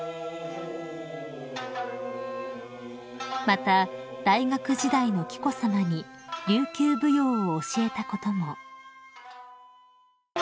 ［また大学時代の紀子さまに琉球舞踊を教えたことも］